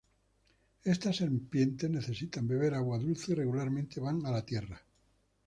Estas serpientes necesitan beber agua dulce y regularmente van a la tierra.